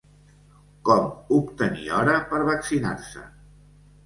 Com obtenir hora per vaccinar-se?